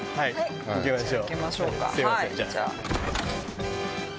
いきましょう。